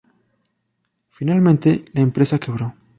Finalmente la empresa quebró.